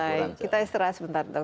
baik kita istirahat sebentar dok